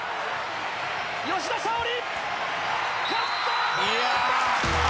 吉田沙保里！